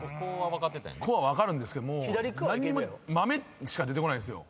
「こ」は分かるんですけど何も「豆」しか出てこないんですよ。